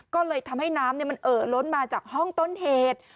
ก็เลยทำให้น้ำมันเอ่อล้นมาจากห้องต้นเหตุ